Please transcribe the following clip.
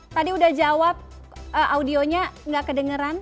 tadi udah jawab audionya nggak kedengeran